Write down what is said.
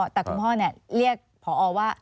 แต่คุณพ่อเนี่ยเรียกพ่อออกว่า